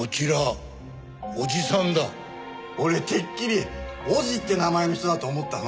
俺てっきり「尾字」って名前の人だと思ったの。